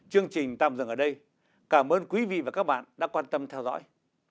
chương trình tạm dừng ở đây cảm ơn quý vị và các bạn đã quan tâm theo dõi